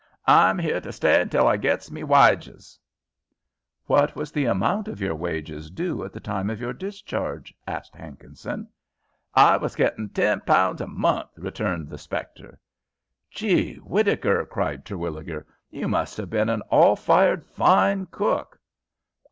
H'I'm 'ere to sty until I gets me waiges." "What was the amount of your wages due at the time of your discharge?" asked Hankinson. "H'I was gettin' ten pounds a month," returned the spectre. "Geewhittaker!" cried Terwilliger, "you must have been an all fired fine cook."